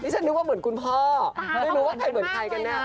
ตาเหมือนกันมากเลยนะ